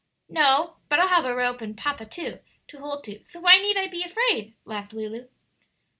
"No; but I'll have a rope and papa, too, to hold to; so why need I be afraid?" laughed Lulu.